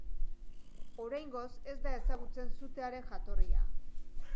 Oraingoz ez da ezagutzen sutearen jatorria.